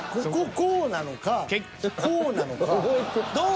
こうなのかこうなのか。